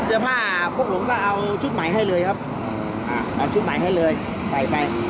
เสื้อผ้าพวกผมก็เอาชุดใหม่ให้เลยครับอ่าเอาชุดใหม่ให้เลยใส่ไป